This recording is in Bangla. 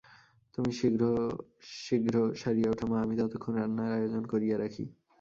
তুমি শীঘ্রশেীঘ্র সারিয়া ওঠো মা, আমি ততক্ষণ রান্নার আয়োজন করিয়া রাখি।